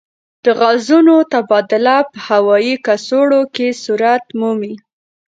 د غازونو تبادله په هوايي کڅوړو کې صورت مومي.